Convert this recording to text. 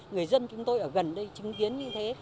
người dân chúng tôi ở gần đây chứng kiến như thế